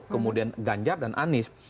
kemudian ganjar dan anis